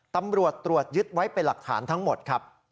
ตำรวจตรวจยึดไว้เป็นหลักฐานทั้งหมดครับ